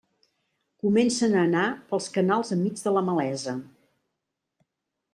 Comencem a anar pels canals enmig de la malesa.